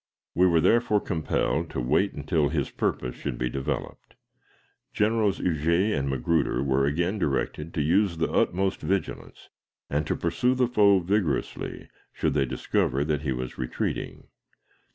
We were therefore compelled to wait until his purpose should be developed. Generals Huger and Magruder were again directed to use the utmost vigilance, and to pursue the foe vigorously should they discover that he was retreating.